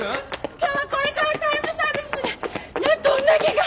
今日はこれからタイムサービスでなんとうなぎが。